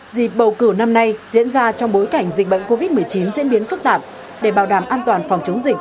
dịp bầu cử năm nay diễn ra trong bối cảnh dịch bệnh covid một mươi chín diễn biến phức tạp để bảo đảm an toàn phòng chống dịch